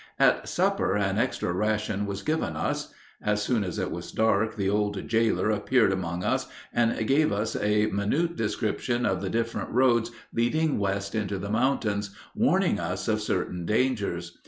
At supper an extra ration was given us. As soon as it was dark the old jailer appeared among us and gave us a minute description of the different roads leading west into the mountains, warning us of certain dangers.